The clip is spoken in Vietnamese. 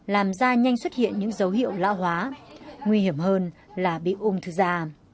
làm ra nhanh xuất hiện những dấu hiệu lão hóa nguy hiểm hơn là bị ung thư da